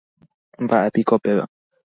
Mba'épiko péva.